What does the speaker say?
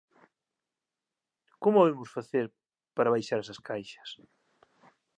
Como habemos facer para baixar esas caixas?